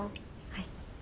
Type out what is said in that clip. はい。